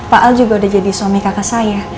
pak al juga udah jadi suami kakak saya